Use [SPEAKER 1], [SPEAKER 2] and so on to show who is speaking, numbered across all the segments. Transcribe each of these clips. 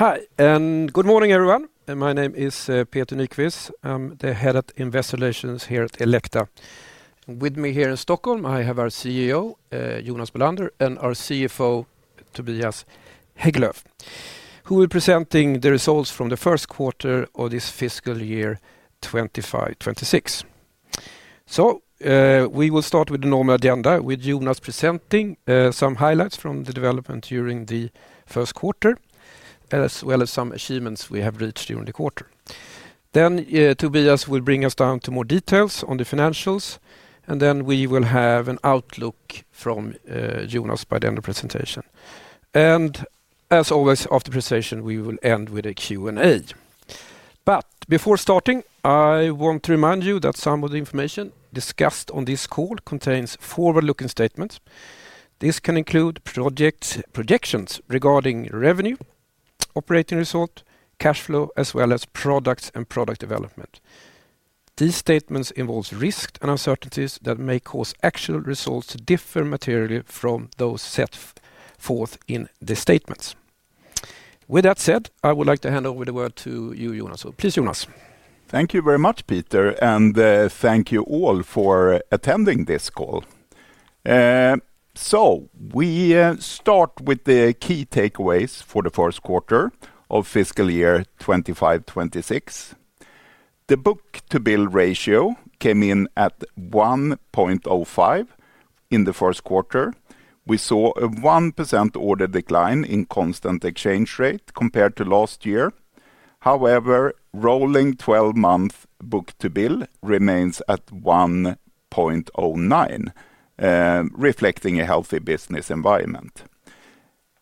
[SPEAKER 1] Hi, and good morning, everyone. My name is Peter Nyquist, I'm the Head of Investor Relations here at Elekta. With me here in Stockholm, I have our CEO, Jonas Bolander, and our CFO, Tobias Hägglöv, who will be presenting the Results from the First Quarter of this Fiscal Year 2025-2026. We will start with the normal agenda, with Jonas presenting some highlights from the development during the first quarter, as well as some achievements we have reached during the quarter. Tobias will bring us down to more details on the financials, and then we will have an outlook from Jonas by the end of the presentation. As always, after the presentation, we will end with a Q&A. Before starting, I want to remind you that some of the information discussed on this call contains forward-looking statements. This can include projections regarding revenue, operating result, cash flow, as well as products and product development. These statements involve risks and uncertainties that may cause actual results to differ materially from those set forth in the statements. With that said, I would like to hand over to you, Jonas. Please, Jonas.
[SPEAKER 2] Thank you very much, Peter, and thank you all for attending this call. We start with the key takeaways for the first quarter of fiscal year 2025-2026. The book-to-bill ratio came in at 1.05 in the first quarter. We saw a 1% order decline in constant exchange rate compared to last year. However, rolling 12-month book-to-bill remains at 1.09, reflecting a healthy business environment.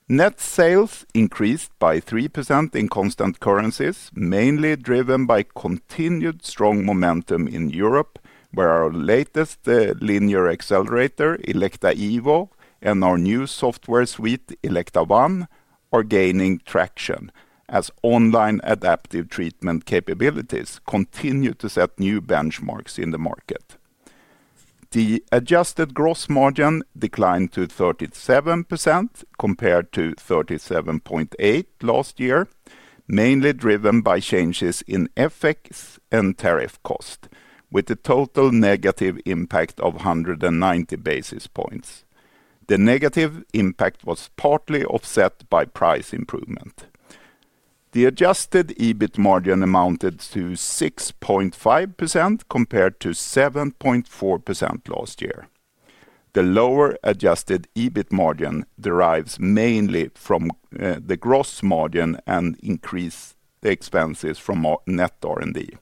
[SPEAKER 2] Net sales increased by 3% in constant currencies, mainly driven by continued strong momentum in Europe, where our latest linear accelerator, Elekta Evo, and our new software suite, Elekta ONE are gaining traction, as online adaptive treatment capabilities continue to set new benchmarks in the market. The adjusted gross margin declined to 37% compared to 37.8% last year, mainly driven by changes in FX and tariff cost, with a total negative impact of 190 basis points. The negative impact was partly offset by price improvement. The adjusted EBIT margin amounted to 6.5% compared to 7.4% last year. The lower adjusted EBIT margin derives mainly from the gross margin and increased expenses from net R&D costs.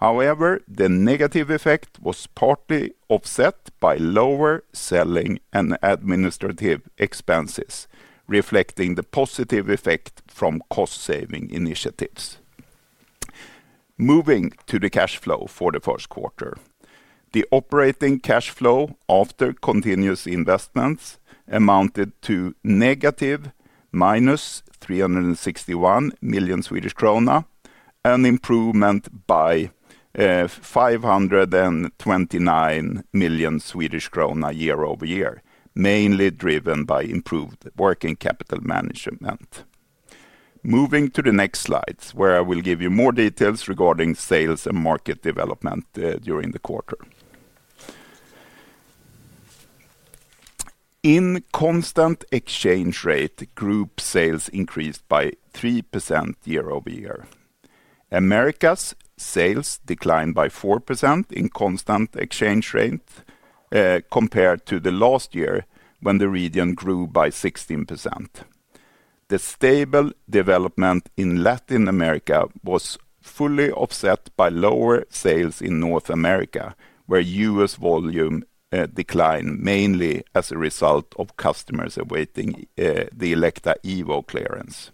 [SPEAKER 2] However, the negative effect was partly offset by lower selling and administrative expenses, reflecting the positive effect from cost-saving initiatives. Moving to the cash flow for the first quarter, the operating cash flow after continous investments amounted to -361 million Swedish krona and an improvement by 529 million Swedish krona year-over-year, mainly driven by improved working capital management. Moving to the next slide, where I will give you more details regarding sales and market development during the quarter. In constant exchange rate, group sales increased by 3% year-over-year. Americas sales declined by 4% in constant exchange rate, compared to last year, when the region grew by 16%. The stable development in Latin America was fully offset by lower sales in North America, where U.S. volume declined mainly as a result of customers awaiting the Elekta Evo clearance.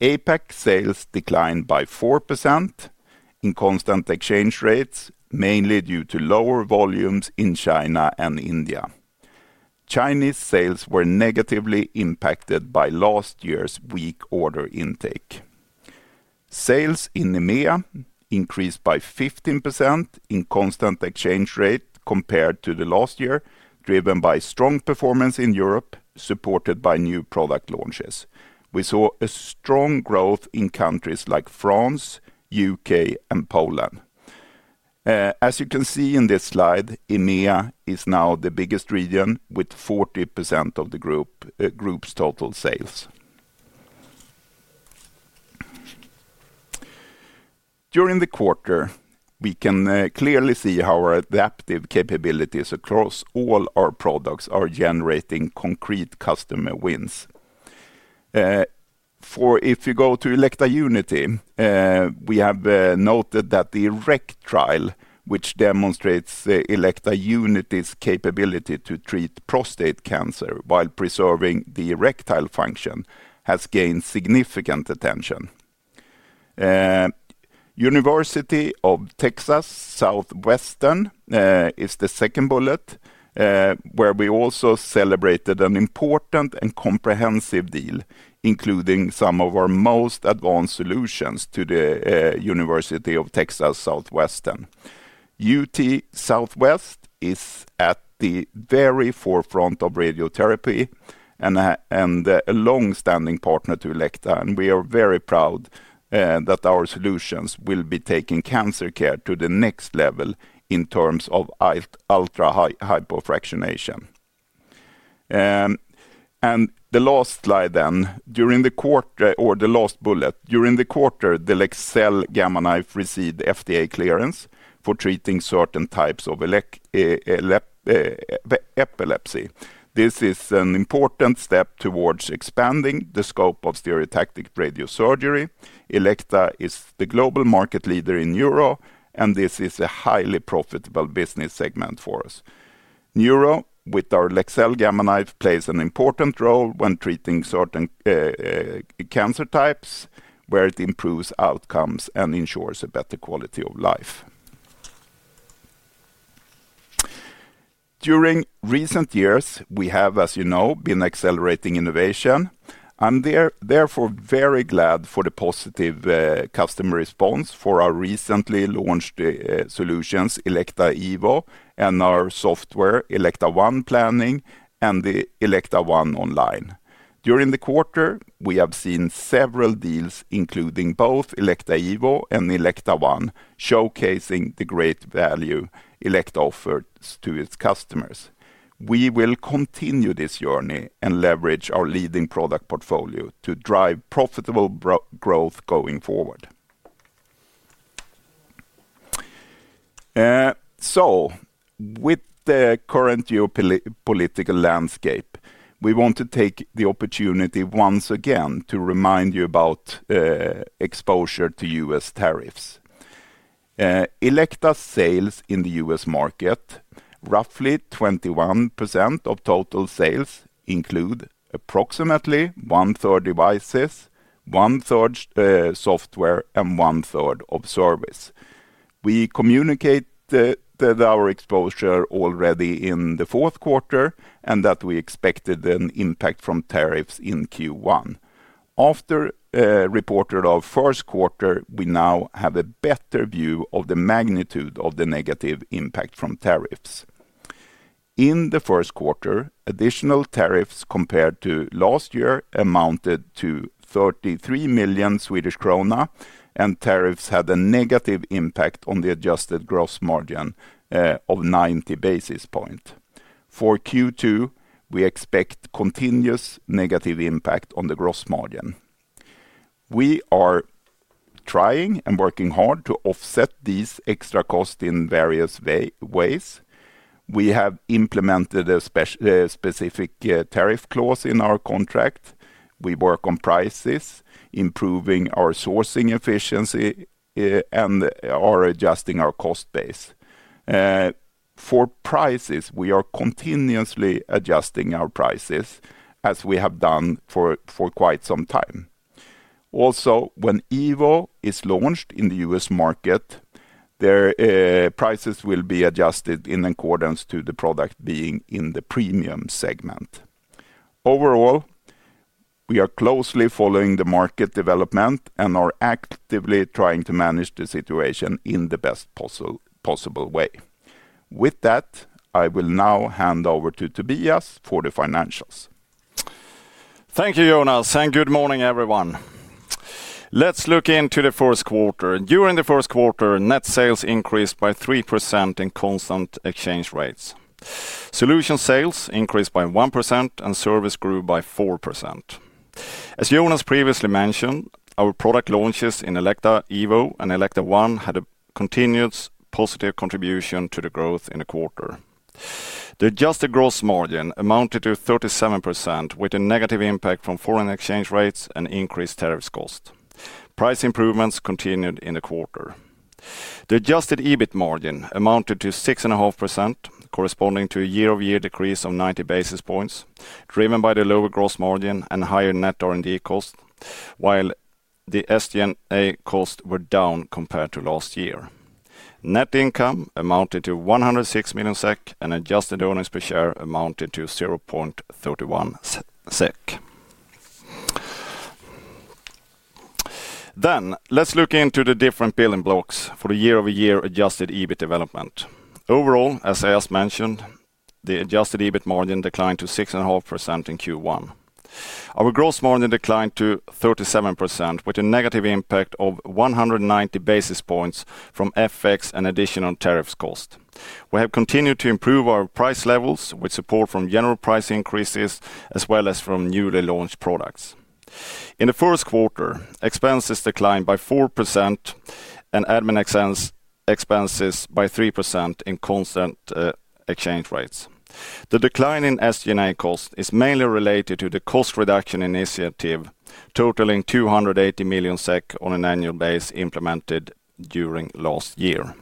[SPEAKER 2] APAC sales declined by 4% in constant exchange rates, mainly due to lower volumes in China and India. Chinese sales were negatively impacted by last year's weak order intake. Sales in EMEA increased by 15% in constant exchange rate compared to last year, driven by strong performance in Europe, supported by new product launches. We saw a strong growth in countries like France, U.K., and Poland. As you can see in this slide, EMEA is now the biggest region, with 40% of the group's total sales. During the quarter, we can clearly see how our adaptive capabilities across all our products are generating concrete customer wins. If you go to Elekta Unity, we have noted that the ERECT Trial, which demonstrates Elekta Unity's capability to treat prostate cancer while preserving the erectile function, has gained significant attention. University of Texas Southwestern is the second bullet, where we also celebrated an important and comprehensive deal, including some of our most advanced solutions to the University of Texas Southwestern. UT Southwestern is at the very forefront of radiotherapy and a long-standing partner to Elekta, and we are very proud that our solutions will be taking cancer care to the next level in terms of ultra-high hyperfractionation. The last slide then or the last bullet, during the quarter, the Leksell Gamma Knife received FDA clearance for treating certain types of epilepsy. This is an important step towards expanding the scope of stereotactic radiosurgery. Elekta is the global market leader in neuro, and this is a highly profitable business segment for us. Neuro, with our Leksell Gamma Knife, plays an important role when treating certain cancer types, where it improves outcomes and ensures a better quality of life. During recent years, we have, as you know, been accelerating innovation and we are therefore very glad for the positive customer response for our recently launched solutions, Elekta Evo, and our software, Elekta ONE Planning and the Elekta ONE Online. During the quarter, we have seen several deals, including both Elekta Evo and Elekta ONE, showcasing the great value Elekta offers to its customers. We will continue this journey, and leverage our leading product portfolio to drive profitable growth going forward. With the current geopolitical landscape, we want to take the opportunity once again to remind you about exposure to U.S. tariffs. Elekta's sales in the U.S. market, roughly 21% of total sales, include approximately 1/3 devices, 1/3 software, and 1/3 of service. We communicated that our exposure already in the fourth quarter, and that we expected an impact from tariffs in Q1. After reporting our first quarter, we now have a better view of the magnitude of the negative impact from tariffs. In the first quarter, additional tariffs compared to last year amounted to 33 million Swedish krona, and tariffs had a negative impact on the adjusted gross margin of 90 basis points. For Q2, we expect continuous negative impact on the gross margin. We are trying and working hard to offset these extra costs in various ways. We have implemented a specific tariff clause in our contract. We work on prices, improving our sourcing efficiency or adjusting our cost base. For prices, we are continuously adjusting our prices, as we have done for quite some time. Also, when Evo is launched in the U.S. market, their prices will be adjusted in accordance to the product being in the premium segment. Overall, we are closely following the market development, and are actively trying to manage the situation in the best possible way. With that, I will now hand over to Tobias for the financials.
[SPEAKER 3] Thank you, Jonas, and good morning, everyone. Let's look into the first quarter. During the first quarter, net sales increased by 3% in constant exchange rates. Solution sales increased by 1%, and service grew by 4%. As Jonas previously mentioned, our product launches in Elekta Evo and Elekta ONE had a continued positive contribution to the growth in the quarter. The adjusted gross margin amounted to 37%, with a negative impact from foreign exchange rates and increased tariffs cost. Price improvements continued in the quarter. The adjusted EBIT margin amounted to 6.5%, corresponding to a year-over-year decrease of 90 basis points, driven by the lower gross margin and higher net R&D cost, while the SG&A costs were down compared to last year. Net income amounted to 106 million SEK, and adjusted earnings per share amounted to 0.31 SEK. Let's look into the different pillars and blocks for the year-over-year adjusted EBIT development. Overall, as I just mentioned, the adjusted EBIT margin declined to 6.5% in Q1. Our gross margin declined to 37%, with a negative impact of 190 basis points from FX and additional tariffs cost. We have continued to improve our price levels with support from general price increases, as well as from newly launched products. In the first quarter, expenses declined by 4% and admin expenses by 3% in constant exchange rates. The decline in SG&A cost is mainly related to the cost reduction initiative, totaling 280 million SEK on an annual basis implemented during last year.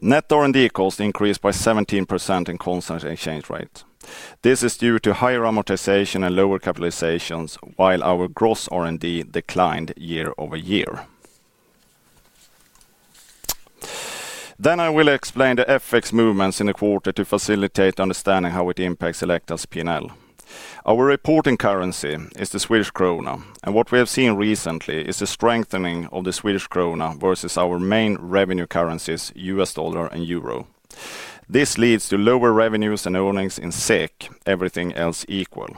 [SPEAKER 3] Net R&D cost increased by 17% in constant exchange rates. This is due to higher amortization and lower capitalizations, while our gross R&D declined year-over-year. I will explain the FX movements in the quarter to facilitate understanding how it impacts Elekta's P&L. Our reporting currency is the Swedish krona, and what we have seen recently is the strengthening of the Swedish krona versus our main revenue currencies, U.S. dollar and euro. This leads to lower revenues and earnings in SEK, everything else equal.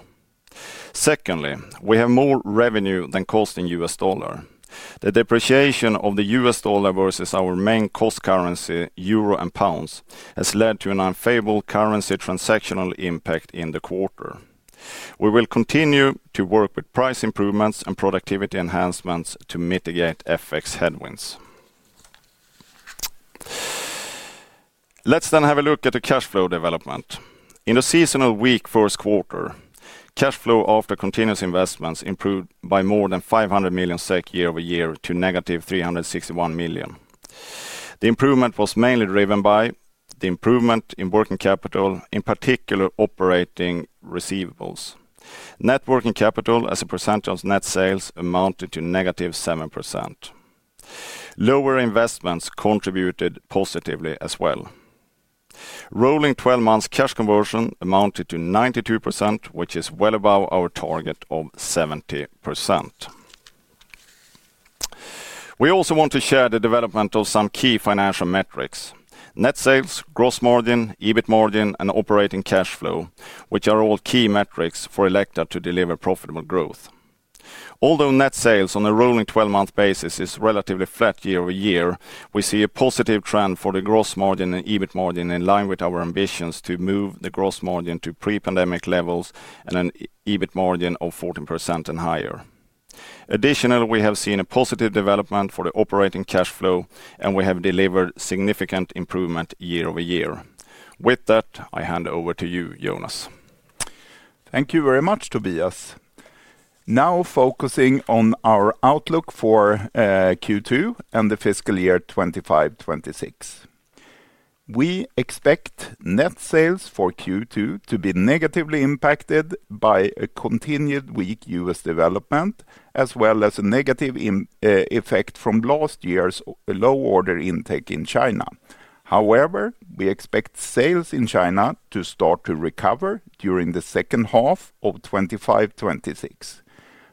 [SPEAKER 3] Secondly, we have more revenue than cost in U.S. dollar. The depreciation of the U.S. dollar versus our main cost currency, euro and pounds, has led to an unfavorable currency transactional impact in the quarter. We will continue to work with price improvements and productivity enhancements to mitigate FX headwinds. Let's then have a look at the cash flow development. In the seasonal weak first quarter, cash flow after continuous investments improved by more than 500 million SEK year-over-year to -361 million. The improvement was mainly driven by the improvement in working capital, in particular operating receivables. Net working capital, as a percentage of net sales, amounted to negative 7%. Lower investments contributed positively as well. Rolling 12-months cash conversion amounted to 92%, which is well above our target of 70%. We also want to share the development of some key financial metrics, net sales, gross margin, EBIT margin, and operating cash flow, which are all key metrics for Elekta to deliver profitable growth. Although net sales on a rolling 12-month basis is relatively flat year-over-year, we see a positive trend for the gross margin and EBIT margin in line with our ambitions to move the gross margin to pre-pandemic levels, and an EBIT margin of 14% and higher. Additionally, we have seen a positive development for the operating cash flow, and we have delivered significant improvement year-over-year. With that, I hand over to you, Jonas.
[SPEAKER 2] Thank you very much, Tobias. Now, focusing on our outlook for Q2 and the fiscal year 2025-2026. We expect net sales for Q2 to be negatively impacted by a continued weak U.S. development, as well as a negative effect from last year's low order intake in China. However, we expect sales in China to start to recover during the second half of 2025-2026.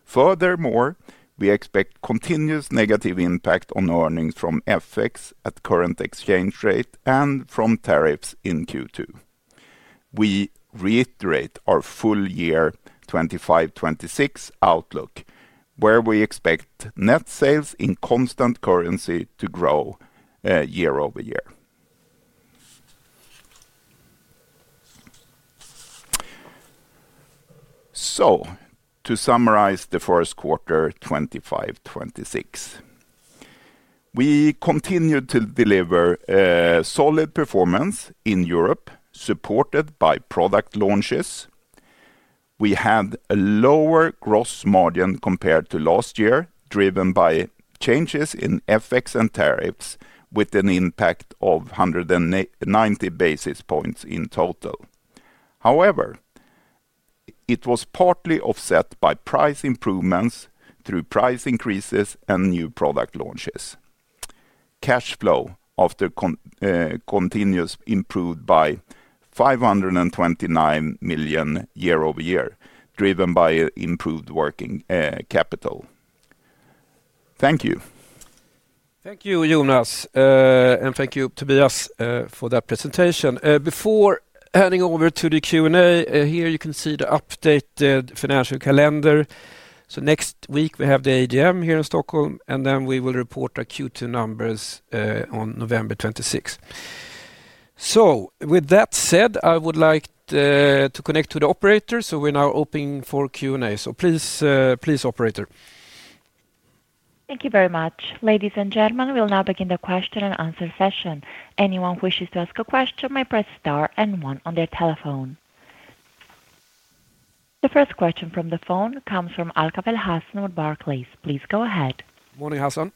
[SPEAKER 2] Furthermore, we expect continuous negative impact on earnings from FX at current exchange rate and from tariffs in Q2. We reiterate our full-year 2025-2026 outlook, where we expect net sales in constant currency to grow year-over-year. To summarize the first quarter 2025-2026, we continue to deliver solid performance in Europe, supported by product launches. We had a lower gross margin compared to last year, driven by changes in FX and tariffs, with an impact of 190 basis points in total. However, it was partly offset by price improvements through price increases and new product launches. Cash flow continuously improved by 529 million year-over-year, driven by improved working capital. Thank you.
[SPEAKER 1] Thank you, Jonas, and thank you, Tobias for that presentation. Before handing over to the Q&A, here you can see the updated financial calendar. Next week we have the AGM here in Stockholm, and then we will report our Q2 numbers on November 26. With that said, I would like to connect to the operator, so we're now open for Q&A. Please, operator.
[SPEAKER 4] Thank you very much. Ladies and gentlemen, we'll now begin the question-and-answer session. Anyone who wishes to ask a question may press star and one on their telephone. The first question from the phone comes from Al-Wakeel Hassan with Barclays. Please go ahead.
[SPEAKER 1] Morning, Hassan.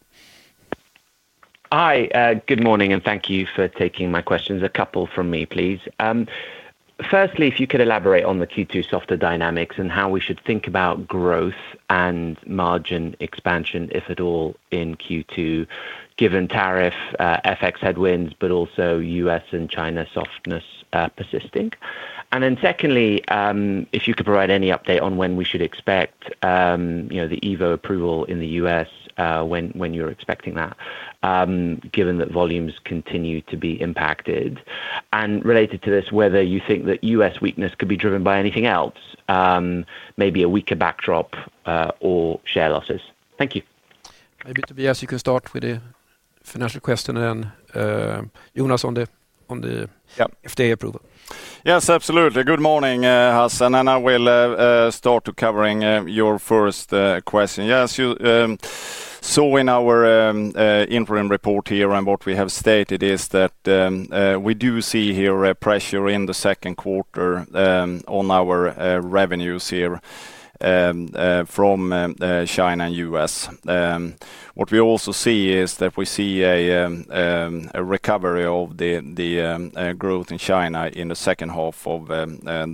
[SPEAKER 5] Hi, good morning, and thank you for taking my questions. A couple from me, please. Firstly, if you could elaborate on the Q2 softer dynamics, and how we should think about growth and margin expansion, if at all, in Q2, given tariff, FX headwinds, but also U.S. and China softness persisting. Secondly, if you could provide any update on when we should expect the Evo approval in the U.S., when you're expecting that, given that volumes continue to be impacted. Related to this, whether you think that U.S. weakness could be driven by anything else, maybe a weaker backdrop or share losses. Thank you.
[SPEAKER 1] Maybe, Tobias, you can start with the financial question and then Jonas on the FDA approval.
[SPEAKER 3] Yes, absolutely. Good morning, Hassan, and I will start covering your first question. Yes, so in our interim report here and what we have stated is that, we do see here pressure in the second quarter on our revenues here from China and the U.S. What we also see is that we see a recovery of the growth in China in the second half of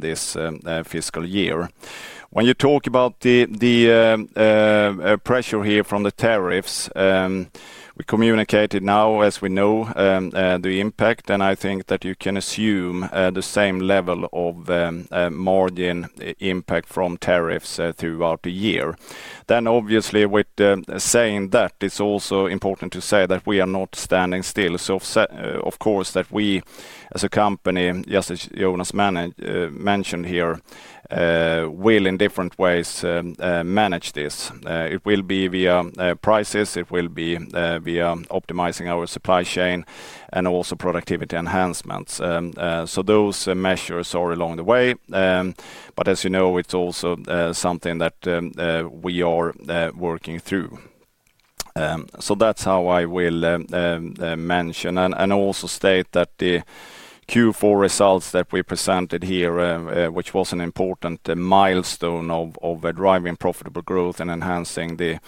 [SPEAKER 3] this fiscal year. When you talk about the pressure here from the tariffs, we communicated now, as we know, the impact and I think that you can assume the same level of margin impact from tariffs throughout the year. Obviously, with saying that, it's also important to say that we are not standing still. Of course, we as a company, just as Jonas mentioned here, will in different ways manage this. It will be via prices, it will be via optimizing our supply chain, and also productivity enhancements. Those measures are along the way, but as you know, it's also something that we are working through. That's how I will mention, and also state that the Q4 results that we presented here, which was an important milestone of driving profitable growth and enhancing the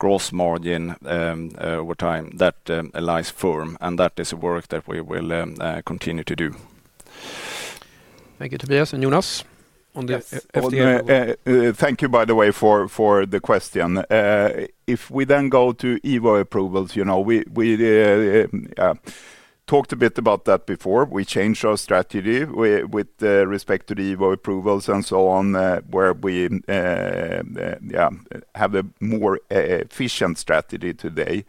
[SPEAKER 3] gross margin, that lies the firm and that is the work that we will continue to do.
[SPEAKER 1] Thank you, Tobias, and Jonas on the FDA.
[SPEAKER 2] Thank you, by the way, for the question. If we then go to Evo approvals, we talked a bit about that before. We changed our strategy with respect to the Evo approvals and so on, where we have a more efficient strategy today.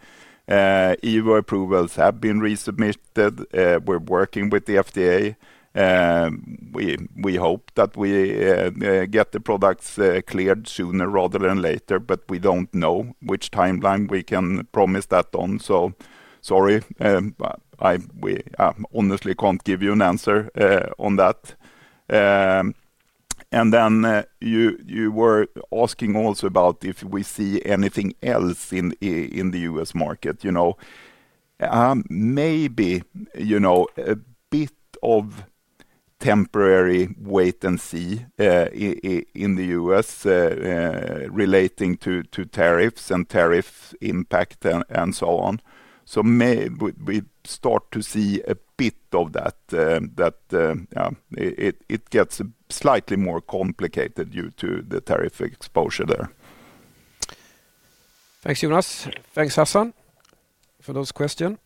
[SPEAKER 2] Evo approvals have been resubmitted. We're working with the FDA. We hope that we get the products cleared sooner rather than later, but we don't know which timeline we can promise that on. Sorry, I honestly can't give you an answer on that. You were asking also about if we see anything else in the U.S. market. Maybe a bit of temporary wait and see in the U.S., relating to tariffs and tariff impact and so on. Maybe we start to see a bit of that. It gets slightly more complicated due to the tariff exposure there.
[SPEAKER 1] Thanks, Jonas. Thanks, Hassan for those questions.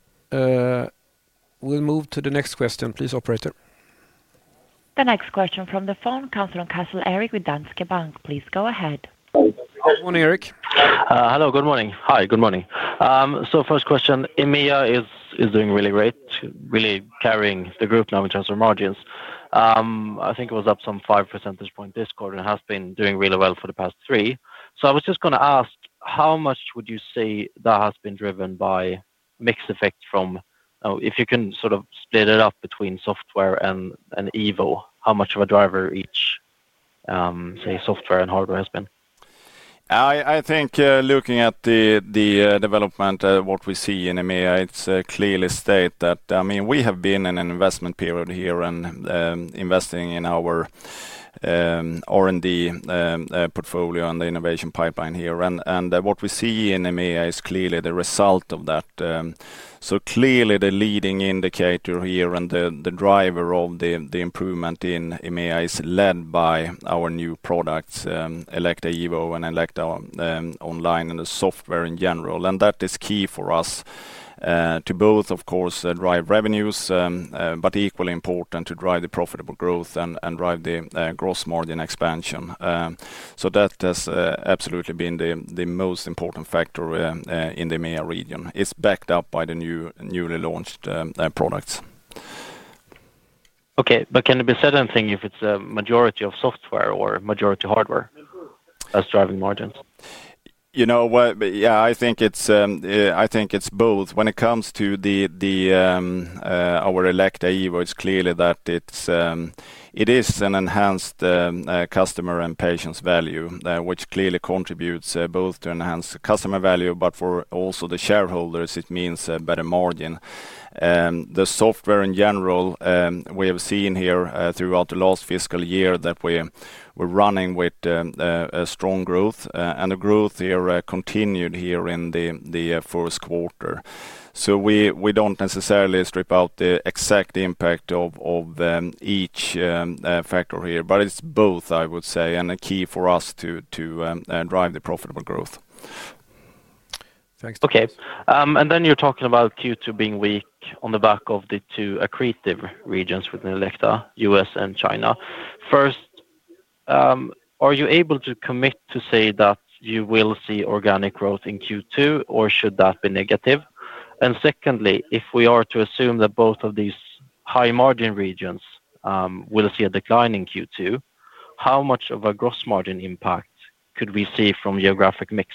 [SPEAKER 1] We'll move to the next question. Please, operator.
[SPEAKER 4] The next question from the phone comes from [Carsten Egeriis] with Danske Bank. Please go ahead.
[SPEAKER 1] Morning, Eric. Hello, good morning. Hi, good morning. First question, EMEA is doing really great, really carrying the group now in terms of margins. I think it was up some 5% this quarter, and has been doing really well for the past three. I was just going to ask, how much would you say that has been driven by mix effects from, if you can sort of split it up between software and Evo, how much of a driver each, say software and hardware has been?
[SPEAKER 3] I think looking at the development of what we see in EMEA, it's clearly stated that we have been in an investment period here and investing in our R&D portfolio and the innovation pipeline here. What we see in EMEA is clearly the result of that. Clearly, the leading indicator here and the driver of the improvement in EMEA is led by our new products, Elekta Evo and Elekta Online, and the software in general. That is key for us to both of course drive revenues, but equally important to drive the profitable growth and drive the gross margin expansion. That has absolutely been the most important factor in the EMEA region. It's backed up by the newly launched products. Okay, can it be said anythin, if it's a majority of software or majority hardware that's driving margins? You know what? Yeah, I think it's both. When it comes to our Elekta Evo, it's clear that it is an enhanced customer and patient value, which clearly contributes both to enhanced customer value, but for also the shareholders, it means a better margin. The software in general, we have seen here throughout the last fiscal year that we were running with strong growth and the growth continued here in the first quarter. We don't necessarily strip out the exact impact of each factor here, but it's both, I would say and the key for us to drive the profitable growth.
[SPEAKER 1] Thanks. Okay, you're talking about Q2 being weak on the back of the two accretive regions within Elekta, US and China. First, are you able to commit to say that you will see organic growth in Q2, or should that be negative? Secondly, if we are to assume that both of these high margin regions will see a decline in Q2, how much of a gross margin impact could we see from geographic mix?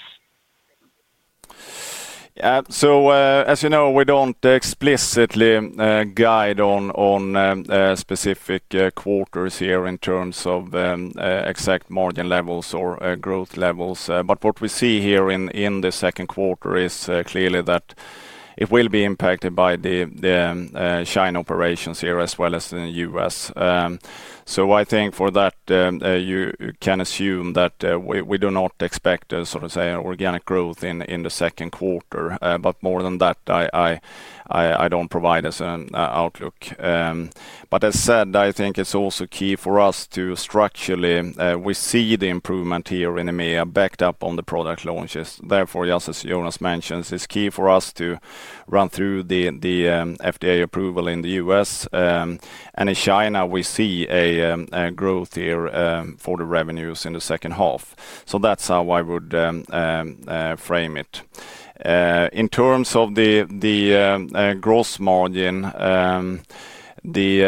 [SPEAKER 3] Yeah, so as you know, we don't explicitly guide on specific quarters here in terms of exact margin levels or growth levels, but what we see here in the second quarter is clearly that it will be impacted by the China operations here as well as in the U.S. I think for that, you can assume that we do not expect a sort of organic growth in the second quarter, but more than that, I don't provide us an outlook. As said, we see the improvement here in EMEA backed up on the product launches. Therefore, yes, as Jonas mentioned, it's key for us to run through the FDA approval in the U.S. In China, we see a growth here for the revenues in the second half. That's how I would frame it. In terms of the gross margin, the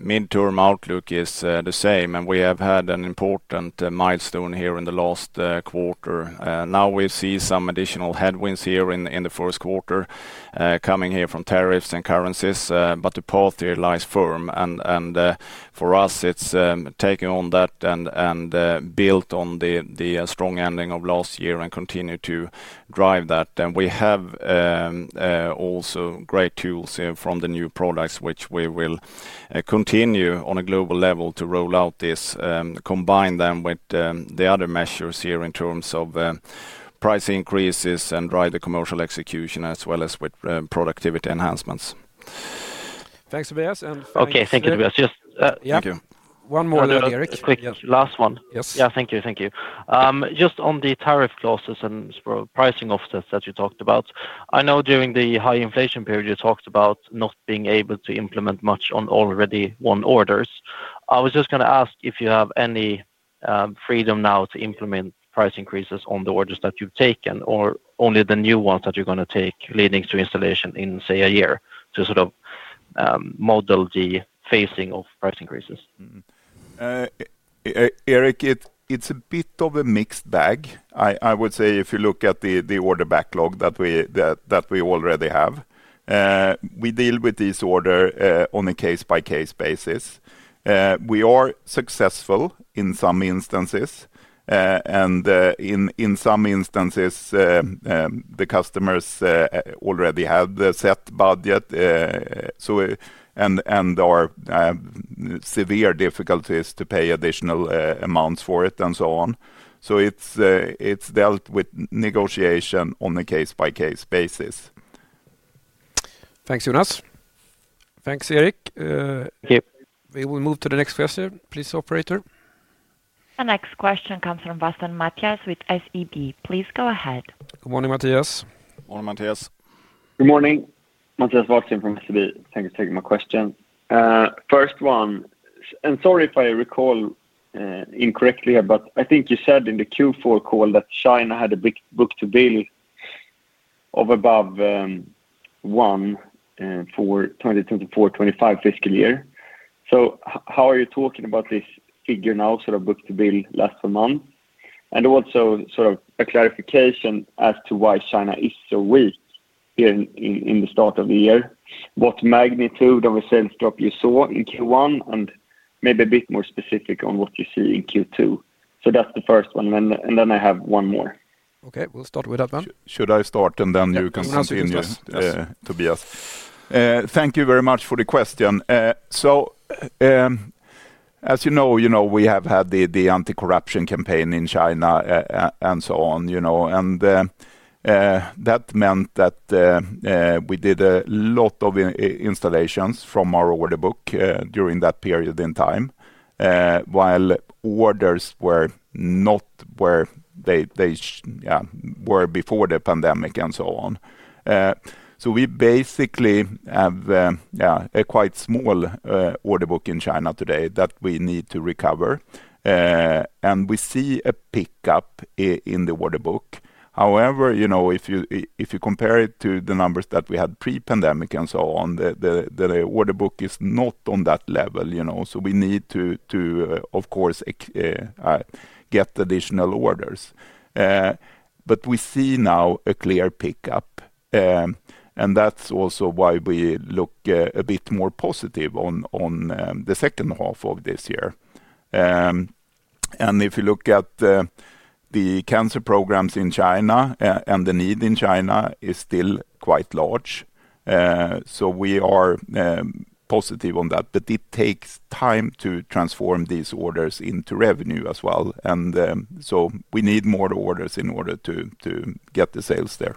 [SPEAKER 3] midterm outlook is the same, and we have had an important milestone here in the last quarter. Now, we see some additional headwinds here in the first quarter coming here from tariffs and currencies, but the path here lies firm. For us, it's taken on that and built on the strong ending of last year, and continue to drive that. We have also great tools here from the new products, which we will continue on a global level to roll out this, combine them with the other measures in terms of price increases and drive the commercial execution, as well as with productivity enhancements.
[SPEAKER 1] Thanks, Tobias, and. Okay, thank you, Tobias. Yes.
[SPEAKER 3] Thank you.
[SPEAKER 1] One more note, Eric. A quick last one. Yes. Yeah. Thank you. Just on the tariff clauses and pricing offsets that you talked about, I know during the high inflation period, you talked about not being able to implement much on already won orders. I was just going to ask if you have any freedom now to implement price increases on the orders that you've taken or only the new ones that you're going to take, leading to installation in say a year, to sort of model the phasing of price increases.
[SPEAKER 2] Eric, it's a bit of a mixed bag. I would say if you look at the order backlog that we already have, we deal with this order on a case-by-case basis. We are successful in some instances. In some instances, the customers already had the set budget and there are severe difficulties to pay additional amounts for it and so on, so it's dealt with negotiation on a case-by-case basis.
[SPEAKER 1] Thanks, Jonas. Thanks, Eric. Thank you. We will move to the next question. Please, operator.
[SPEAKER 4] The next question comes from with SEB. Please go ahead.
[SPEAKER 1] Good morning, Mattias.
[SPEAKER 3] Morning, Matthias. Good morning. from SEB. Thank you for taking my question. First one, and sorry if I recall incorrectly, but I think you said in the Q4 call that China had a book-to-bill of above one for the 2024-2025 fiscal year. How are you talking about this figure now, sort of book-to-bill last month? Also, a clarification as to why China is so weak here in the start of the year. What magnitude of a sales drop you saw in Q1, and maybe a bit more specific on what you see in Q2. That's the first one, and then I have one more.
[SPEAKER 1] Okay, we'll start with that one.
[SPEAKER 2] Should I start, and then you can continue, Tobias?
[SPEAKER 3] Yes, please.
[SPEAKER 2] Thank you very much for the question. As you know, we have had the anti-corruption campaign in China and so on, and that meant that we did a lot of installations from our order book during that period in time, while orders were not where they were before the pandemic and so on. We basically have a quite small order book in China today that we need to recover, and we see a pickup in the order book. However, if you compare it to the numbers that we had pre-pandemic and so on, the order book is not on that level, so we need to of course get additional orders. We see now a clear pickup, and that's also why we look a bit more positive on the second half of this year. If you look at the cancer programs in China, the need in China is still quite large, so we are positive on that, but it takes time to transform these orders into revenue as well and so we need more orders in order to get the sales there.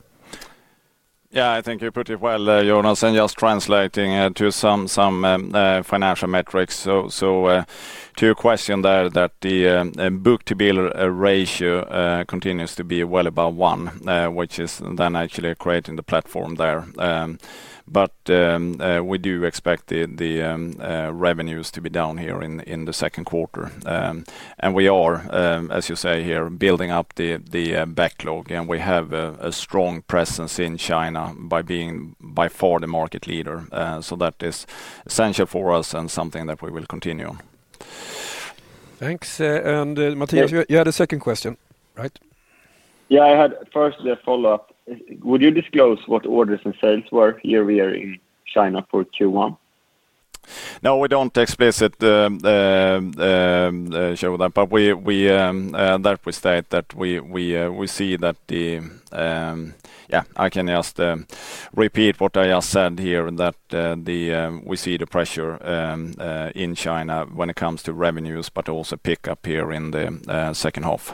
[SPEAKER 3] Yeah. I think you're pretty well, Jonas and just translating it to some financial metrics. To your question there, that the book-to-bill ratio continues to be well above one there, which is then actually creating the platform there. We do expect the revenues to be down here in the second quarter. We are, as you say here, building up the backlog, and we have a strong presence in China by being by far the market leader. That is essential for us and something that we will continue.
[SPEAKER 1] Thanks, and Mattias, you had a second question, right? Yeah, I had first a follow-up. Would you disclose what orders and sales were here in China for Q1?
[SPEAKER 3] No, we don't explicitly show that, but we definitely state that we see that again, I'll repeat what Jonas has said here, that we see the pressure in China when it comes to revenues, but also pickup here in the second half.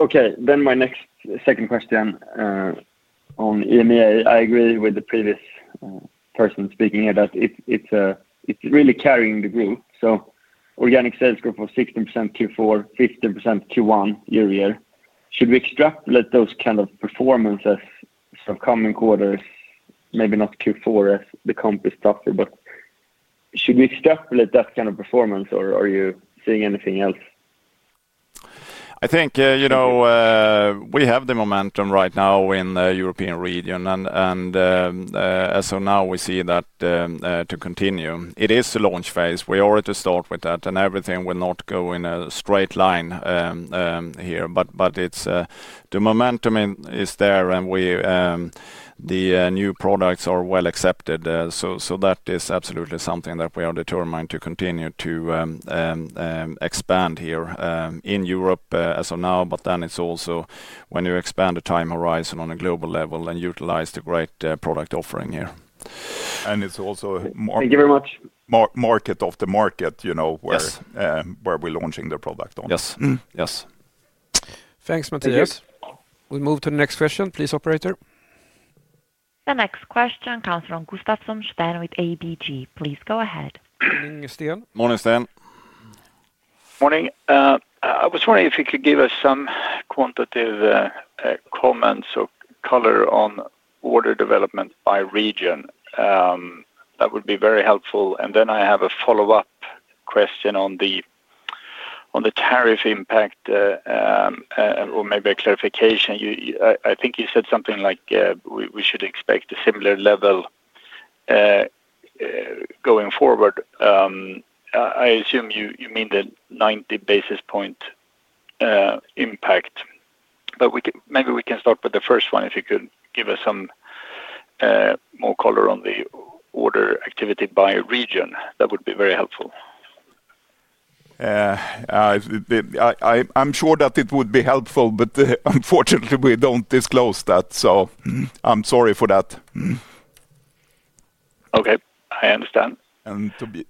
[SPEAKER 3] Okay, then my next second question on EMEA. I agree with the previous person speaking here, that it's really carrying the group. Organic sales growth of 16% Q4, 15% Q1 year-over-year. Should we extrapolate those performances coming quarters, maybe not Q4 as the comp is tougher, but should we extrapolate that kind of performance or are you seeing anything else? I think we have the momentum right now in the European region, and so now we see that continue. It is a launch phase. We are to start with that and everything will not go in a straight line here, but the momentum is there and the new products are well accepted. That is absolutely something that we are determined to continue to expand here in Europe as of now, but when you expand the time horizon on a global level and utilize the great product offering here, and it's also a market of the market where we're launching the product on.
[SPEAKER 2] Yes.
[SPEAKER 1] Thanks, Matthias. Thank you. We move to the next question. Please, operator.
[SPEAKER 4] The next question comes from Gustafsson Sten with ABG. Please go ahead.
[SPEAKER 3] Morning, Sten.
[SPEAKER 6] Morning. I was wondering if you could give us some quantitative comments or color on order development by region. That would be very helpful. I have a follow-up question on the tariff impact, or maybe a clarification. I think you said something like we should expect a similar level going forward. I assume you mean the 90 basis points impact. Maybe we can start with the first one, if you could give us some more color on the order activity by region, that would be very helpful.
[SPEAKER 2] I'm sure that it would be helpful, but unfortunately, we don't disclose that. I'm sorry for that.
[SPEAKER 6] I understand.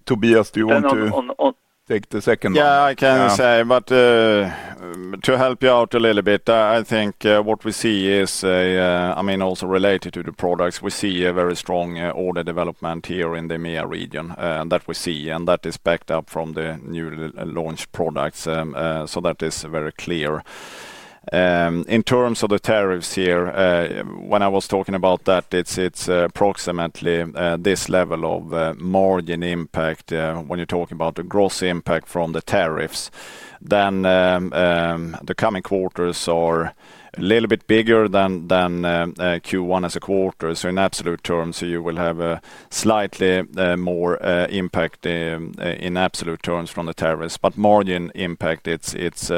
[SPEAKER 2] Tobias, do you want to take the second one?
[SPEAKER 3] Yeah, I can say. To help you out a little bit, I think what we see is, also related to the products, we see a very strong order development here in the EMEA region that we see, and that is backed up from the new launch products. That is very clear. In terms of the tariffs here, when I was talking about that, it's approximately this level of margin impact when you're talking about the gross impact from the tariffs. The coming quarters are a little bit bigger than Q1 as a quarter. In absolute terms, you will have a slightly more impact in absolute terms from the tariffs, but margin impact, it's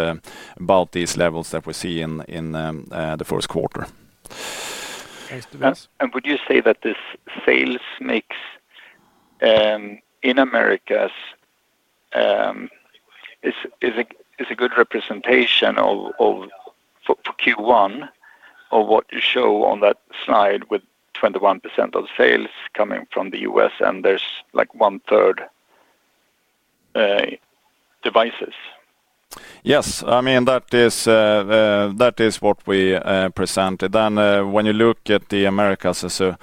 [SPEAKER 3] about these levels that we see in the first quarter.
[SPEAKER 1] Thanks, Tobias.
[SPEAKER 6] Would you say that this sales mix in Americas is a good representation for Q1, or what you show on that slide with 21% of sales coming from the U.S. and there's like 1/3 devices?
[SPEAKER 3] Yes. I mean, that is what we presented. When you look at the Americas as a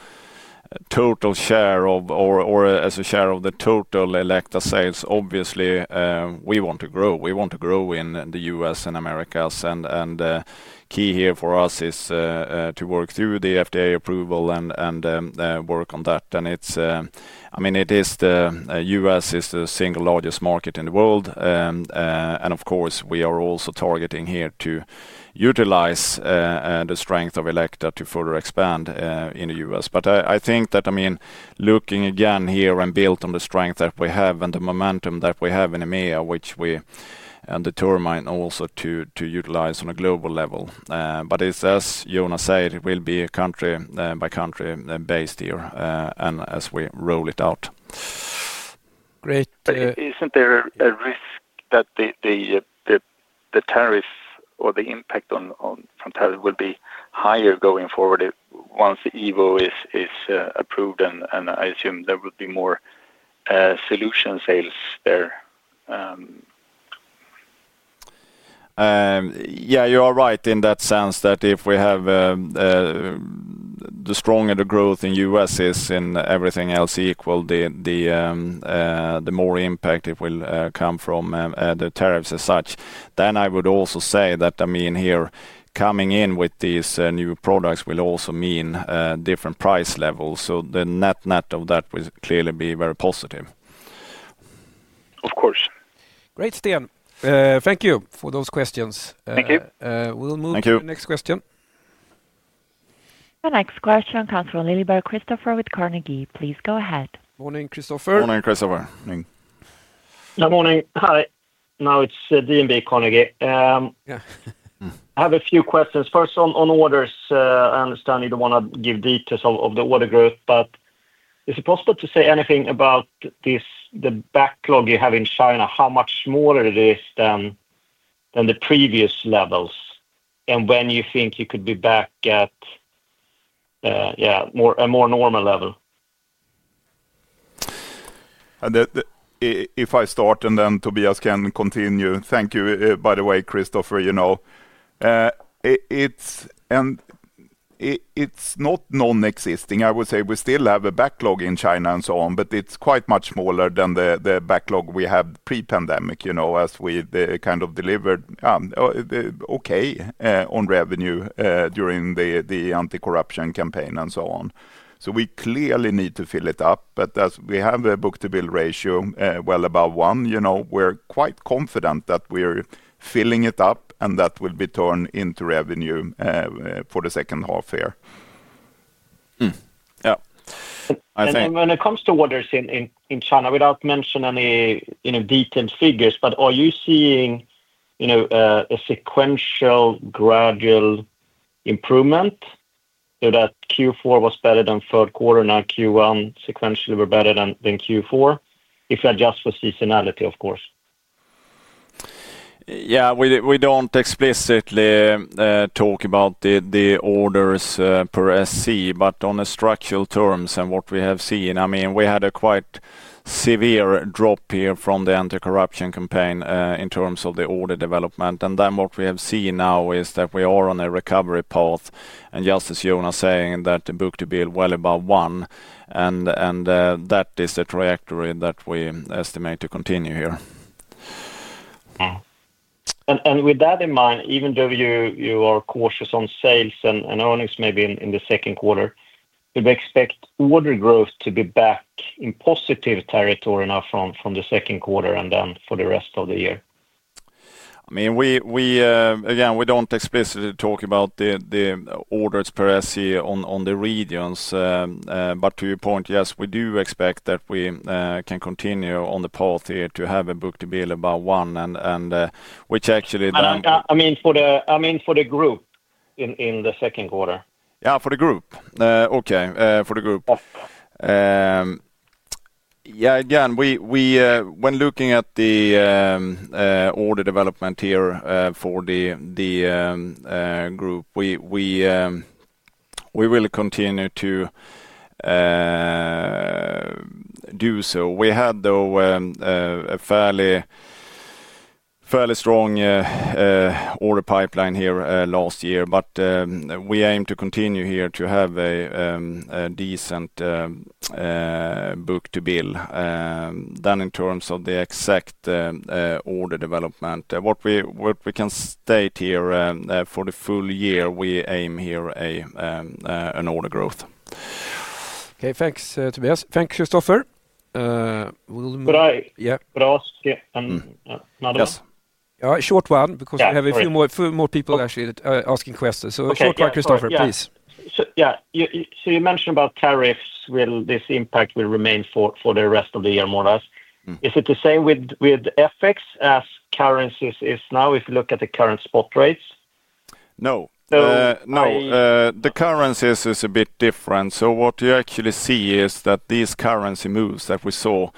[SPEAKER 3] share of the total Elekta sales, obviously we want to grow. We want to grow in the U.S. and Americas, and the key here for us is to work through the FDA approval and work on that. I mean, the U.S. is the single largest market in the world, and of course we are also targeting here to utilize the strength of Elekta to further expand in the U.S. I think that looking again here and built on the strength that we have and the momentum that we have in EMEA, which we determine also to utilize on a global level, as Jonas said, it will be country by country based here as we roll it out.
[SPEAKER 1] Great.
[SPEAKER 6] Isn't there a risk that the tariffs or the impact from tariffs will be higher going forward once Evo is approved? I assume there will be more solution sales there?
[SPEAKER 3] Yeah, you are right in that sense, that the stronger the growth in the U.S. is and everything else equal, the more impact it will come from the tariffs as such. I would also say that, I mean, here coming in with these new products will also mean different price levels. The net net of that will clearly be very positive.
[SPEAKER 1] Great, Sten. Thank you for those questions.
[SPEAKER 6] Thank you.
[SPEAKER 1] We'll move to the next question.
[SPEAKER 4] The next question comes from Liljeberg Kristofer with Carnegie. Please go ahead.
[SPEAKER 1] Morning, Kristofer.
[SPEAKER 3] Morning, Kristofer.
[SPEAKER 7] Morning. Hi. Now it's [B&B] Carnegie.
[SPEAKER 3] Yeah.
[SPEAKER 7] I have a few questions. First, on orders, I understand you don't want to give details of the order group, but is it possible to say anything about the backlog you have in China, how much smaller it is than the previous levels, and when you think you could be back at a more normal level?
[SPEAKER 2] If I start and then Tobias can continue. Thank you. By the way, Christopher, it's not non-existing. I would say we still have a backlog in China and so on, but it's quite much smaller than the backlog we had pre-pandemic, as we kind of delivered on revenue during the anti-corruption campaign and so on. We clearly need to fill it up, but as we have a book-to-bill ratio well above one, we're quite confident that we're filling it up and that will be turned into revenue for the second half here.
[SPEAKER 7] When it comes to orders in China, without mentioning any detailed figures, but are you seeing a sequential gradual improvement? That Q4 was better than third quarter, now Q1 sequentially were better than Q4, if you adjust for seasonality, of course.
[SPEAKER 3] Yeah, we don't explicitly talk about the orders per SC, but on the structural terms and what we have seen, I mean, we had a quite severe drop here from the anti-corruption campaign in terms of the order development. What we have seen now is that we are on a recovery path, and just as Jonas is saying, the book-to-bill is well above one and that is the trajectory that we estimate to continue here.
[SPEAKER 7] With that in mind, even though you are cautious on sales and earnings maybe in the second quarter, do we expect order growth to be back in positive territory now from the second quarter and then for the rest of the year?
[SPEAKER 3] Again, we don't explicitly talk about the orders per SC on the regions, but to your point, yes, we do expect that we can continue on the path here to have a book-to-bill above one.
[SPEAKER 7] I mean, for the group in the second quarter.
[SPEAKER 3] Yeah, for the group. Okay, for the group, yeah, again, when looking at the order development here for the group, we will continue to do so. We had, though, a fairly strong order pipeline here last year, but we aim to continue here to have a decent book-to-bill. In terms of the exact order development, what we can state here, for the full year, we aim here an order growth.
[SPEAKER 1] Okay, thanks, Tobias. Thanks, Kristofer.
[SPEAKER 7] Could I ask another?
[SPEAKER 1] Yes. All right, ashort one because we have a few more people actually asking questions. A short one, Kristofer, please.
[SPEAKER 7] Yeah. You mentioned about tariffs. Will this impact remain for the rest of the year, more or less? Is it the same with FX as currencies is now, if you look at the current spot rates?
[SPEAKER 2] No, the currencies is a bit different. What you actually see is that these currency moves that we saw